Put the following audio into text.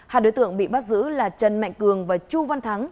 hai đối tượng bị bắt giữ là trần mạnh cường và chu văn thắng